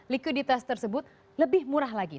likuiditas tersebut lebih murah lagi